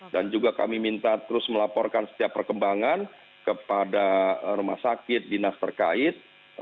dan juga kami minta terus melaporkan setiap perkembangan kepada rumah sakit dinas terkait